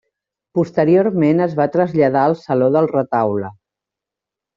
Posteriorment es va traslladar al Saló del Retaule.